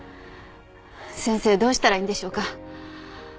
先生どうしたらいいんでしょうか？